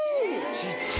小っちゃ！